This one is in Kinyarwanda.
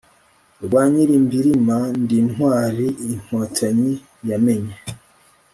rwa Nyilimbirima ndi intwali inkotanyi yamenye